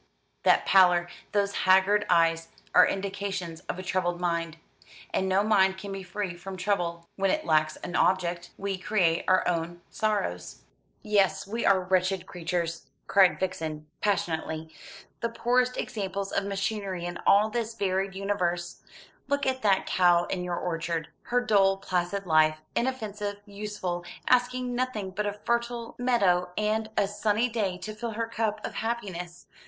"That pallor, those haggard eyes are indications of a troubled mind; and no mind can be free from trouble when it lacks an object. We create our own sorrows." "Yes, we are wretched creatures!" cried Vixen passionately, "the poorest examples of machinery in all this varied universe. Look at that cow in your orchard, her dull placid life, inoffensive, useful, asking nothing but a fertile meadow and a sunny day to fill her cup of happiness.